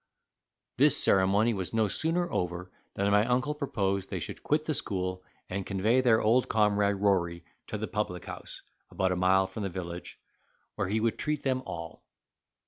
This ceremony was no sooner over than my uncle proposed they should quit the school, and convey their old comrade Rory to the public house, about a mile from the village, where he would treat them all.